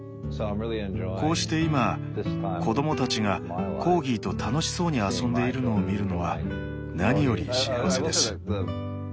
こうして今子供たちがコーギーと楽しそうに遊んでいるのを見るのは何より幸せです。